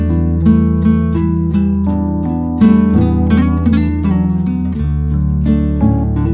udah dulu ya